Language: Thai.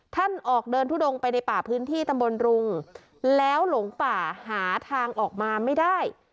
ท่านออกเดินทุดงไปในป่าพื้นที่ตำบลรุงแล้วหลงป่าหาทางออกมาไม่ได้